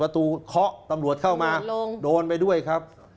เคาะตำรวจเข้ามาโดนไปด้วยครับ